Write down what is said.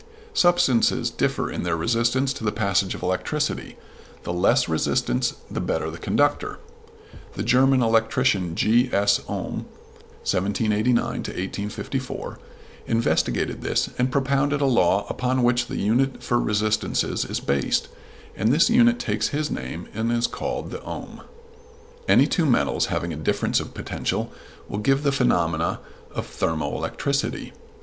Substances differ in their resistance to the passage of electricity the less the resistance the better the conductor. The German electrician, G. S. Ohm (1789 1854), investigated this and propounded a law upon which the unit for resistances is based, and this unit takes his name and is called the "ohm." Any two metals having a difference of potential will give the phenomena of thermo electricity.